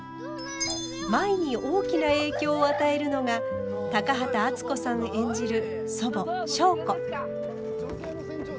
舞に大きな影響を与えるのが高畑淳子さん演じる祖母祥子。